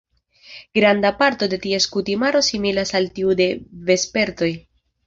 Granda parto de ties kutimaro similas al tiu de vespertoj.